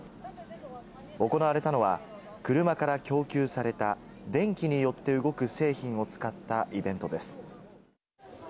行われたのは車から供給された電気によって動く製品を使ったイベントです。